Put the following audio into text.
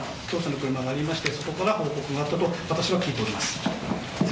車がありましてそこから報告があったと私は聞いております。